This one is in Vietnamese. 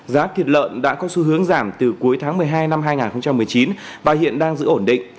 giá thịt lợn đã có xu hướng giảm từ cuối tháng một mươi hai năm hai nghìn một mươi chín và hiện đang giữ ổn định